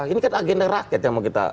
ini kan agenda rakyat yang mau kita